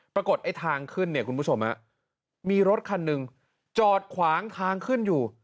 ปรากฏไอ้ทางขึ้นเนี่ยคุณผู้ชมมีรถคันหนึ่งจอดขวางทางขึ้นอยู่